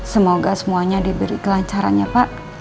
semoga semuanya diberi kelancarannya pak